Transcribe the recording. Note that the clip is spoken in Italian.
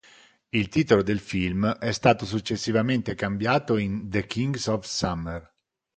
Il titolo del film è stato successivamente cambiato in "The Kings of Summer".